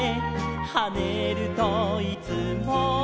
「はねるといつも」